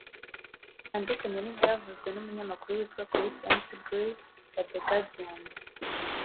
Bitandukanye n’ibyavuzwe n’Umunyamakuru witwa Chris McGreal wa The Guardian